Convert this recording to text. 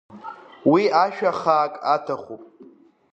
Уи ашәа хаак аҭахуп.